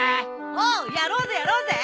・おうやろうぜやろうぜ！